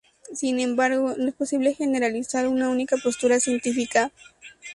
Sin embargo, no es posible generalizar una única postura científica.